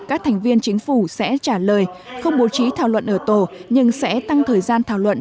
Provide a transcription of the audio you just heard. các thành viên chính phủ sẽ trả lời không bố trí thảo luận ở tổ nhưng sẽ tăng thời gian thảo luận